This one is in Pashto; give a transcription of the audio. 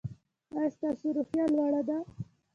ایا ستاسو روحیه لوړه ده؟